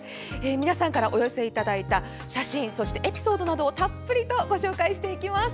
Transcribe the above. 皆さんからお寄せいただいた写真やエピソードなどをたっぷりご紹介していきます。